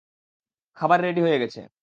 খাবার রেডি হয়ে গেছে।